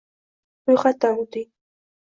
Ro‘yxatdan o‘ting